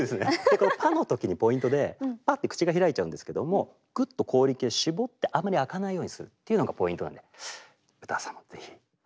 この「ぱ」のときにポイントで「ぱ」って口が開いちゃうんですけどもぐっと口輪筋をしぼってあんまり開かないようにするっていうのがポイントなんで詩羽さんもぜひ。